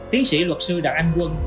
tiến sĩ luật sư đặng anh quân